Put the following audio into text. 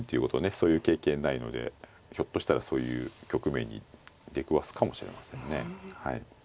そういう経験ないのでひょっとしたらそういう局面に出くわすかもしれませんね。